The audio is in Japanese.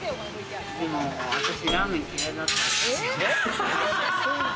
でも私ラーメン嫌いだったんですよ。